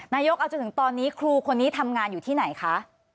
นายกเอาจนถึงตอนนี้ครูคนนี้ทำงานอยู่ที่ไหนคะ